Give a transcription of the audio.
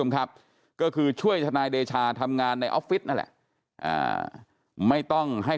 ครับก็คือช่วยทนายเดชาทำงานในออฟฟิศนั่นแหละไม่ต้องให้